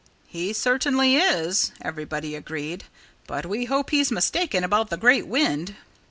"He certainly is," everybody agreed. "But we hope he's mistaken about the great wind."